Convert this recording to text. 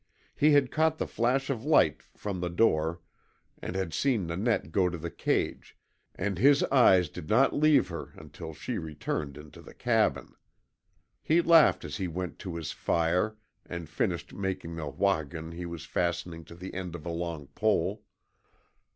He had caught the flash of light from the door and had seen Nanette go to the cage, and his eyes did not leave her until she returned into the cabin. He laughed as he went to his fire and finished making the WAHGUN he was fastening to the end of a long pole.